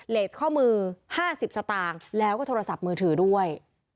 เลสข้อมือ๕๐สตางค์แล้วก็โทรศัพท์มือถือด้วย